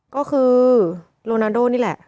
ก็คือโลนาโดนี่แหละ